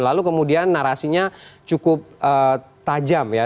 lalu kemudian narasinya cukup tajam ya